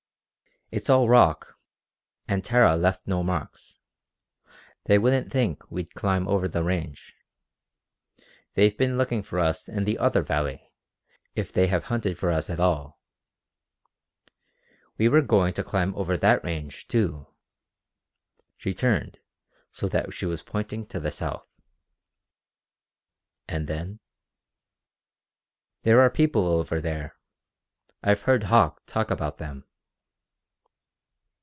"It's all rock, and Tara left no marks. They wouldn't think we'd climb over the range. They've been looking for us in the other valley if they have hunted for us at all. We were going to climb over that range, too." She turned so that she was pointing to the south. "And then?" "There are people over there. I've heard Hauck talk about them."